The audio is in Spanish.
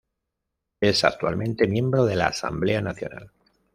Es actualmente miembro de la Asamblea Nacional.